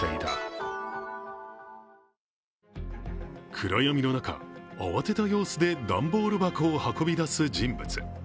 暗闇の中、慌てた様子で段ボール箱を運び出す人物。